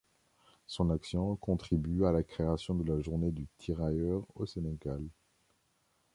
Son action contribue à la création de la journée du tirailleur au Sénégal.